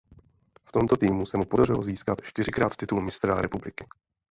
V tomto týmu se mu podařilo získat čtyřikrát titul mistra republiky.